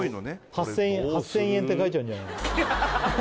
８０００円８０００円って書いちゃうんじゃないの？